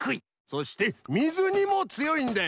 そしてみずにもつよいんだ！